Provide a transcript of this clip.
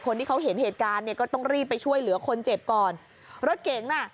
คนที่เขาเห็นเหตุการณ์เนี่ยก็ต้องรีบไปช่วยเหลือคนเจ็บก่อนรถเก๋งน่ะ